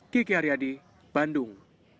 kiki haryadi bandung